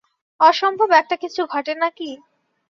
অসম্ভব একটা-কিছু ঘটে না কি?